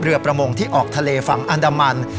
ประมงที่ออกทะเลฝั่งอันดามัน